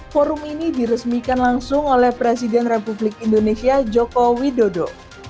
forum ini diresmikan langsung oleh presiden republik indonesia joko widodo